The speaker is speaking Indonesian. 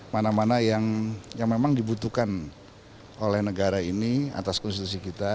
mana mana yang memang dibutuhkan oleh negara ini atas konstitusi kita